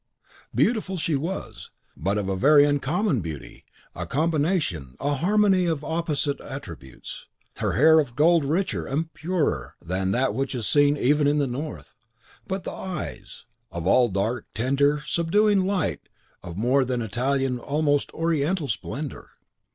Beautiful she was, but of a very uncommon beauty, a combination, a harmony of opposite attributes. Her hair of a gold richer and purer than that which is seen even in the North; but the eyes, of all the dark, tender, subduing light of more than Italian almost of Oriental splendour.